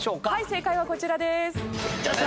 正解はこちらです。